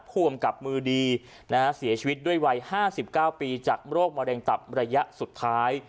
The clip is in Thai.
ผู้กำกลับมือดีนะฮะเสียชีวิตด้วยวัยห้าสิบเก้าปีจากโรคมะเร็งตับระยะสุดท้าย